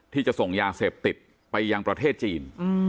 ที่จะส่งยาเสพติดไปยังประเทศจีน